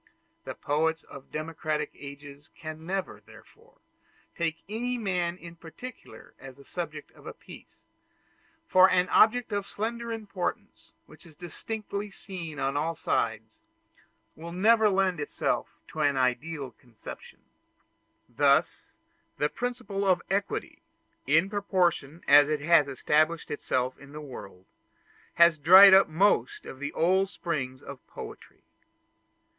The poets of democratic ages can never, therefore, take any man in particular as the subject of a piece; for an object of slender importance, which is distinctly seen on all sides, will never lend itself to an ideal conception. Thus the principle of equality; in proportion as it has established itself in the world, has dried up most of the old springs of poetry.